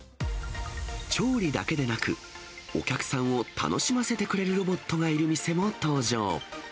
調理だけでなく、お客さんを楽しませてくれるロボットがいる店も登場。